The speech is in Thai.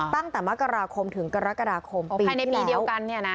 ตั้งแต่มากราคมถึงกรกราคมปีที่แล้วในปีเดียวกันเนี่ยนะ